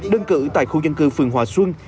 đơn cử tại khu dân cư phường hòa xuân